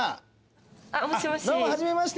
あっもしもし。